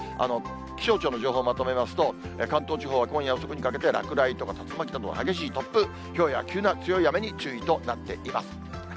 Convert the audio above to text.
気象庁の情報まとめますと、関東地方は今夜遅くにかけて、落雷とか竜巻など激しい突風、ひょうや急な強い雨に注意となっています。